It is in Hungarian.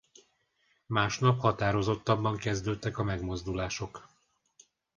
Másnap határozottabban kezdődtek a megmozdulások.